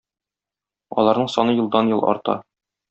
Аларның саны елдан-ел арта.